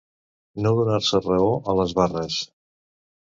No donar-se raó a les barres.